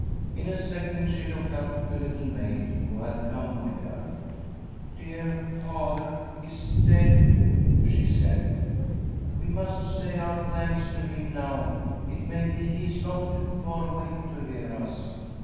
In a second she looked up to Little Maid who had come with her. " Dear Father is dead," she said. " We must say our thanks to him now, it may be he is not too far away to hear us."